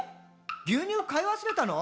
牛乳買い忘れたの？」